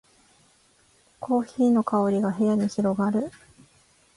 コーヒーの香りが部屋に広がる